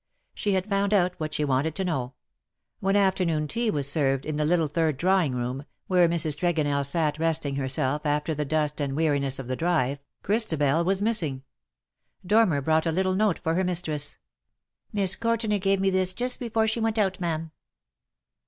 She had found out what she wanted to know. When afternoon tea was served in the little third drawing room, where Mrs. TregoncU sat resting herself after the dust and weariness of the drive, VOL. I. T 274 LE SECRET DE POLICHINELLE. Christabel was missing. Dormer brought a little note for her mistress. " Miss Courtenay gave me this just before she went out; ma'am.